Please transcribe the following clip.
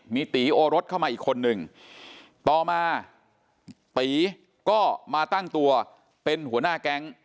มีตีโอรสเข้ามาอีกคนนึงต่อมาตีก็มาตั้งตัวเป็นหัวหน้าแก๊ง